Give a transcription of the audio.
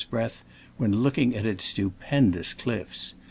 his breath when looking at its stupend ous cliffs.